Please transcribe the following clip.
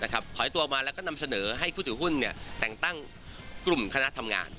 ถอยตัวมาแล้วก็นำเสนอให้ผู้ถือหุ้นแต่งตั้งกลุ่มคณะทำงาน